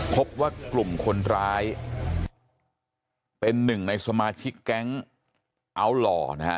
พบว่ากลุ่มคนร้ายเป็นหนึ่งในสมาชิกแก๊งอัลหล่อนะฮะ